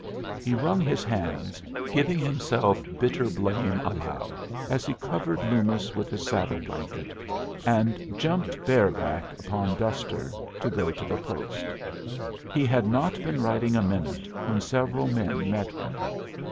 He wrung his hands, giving himself bitter blame aloud, as he covered Loomis with his saddle blanket, and jumped bareback upon Duster to go to the post. He had not been riding a minute when several men met him.